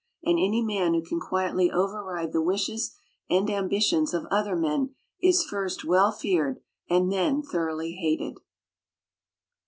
And any man who can quietly override the wishes and ambitions of other men is first well feared, and then thoroughly hated.